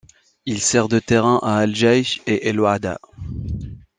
Il sert de terrain à Al-Jaish et Al-Wahda.